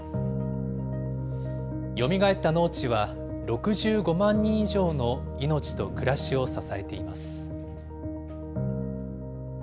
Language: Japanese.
よみがえった農地は、６５万人以上の命と暮らしを支えています。